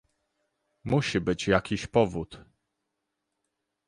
Musi być jakiś powód